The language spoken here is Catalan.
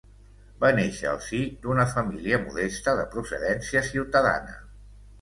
Va néixer al si d'una família modesta de procedència ciutadana.